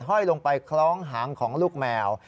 ห้อยลงไปคล้องหางของลูกแมว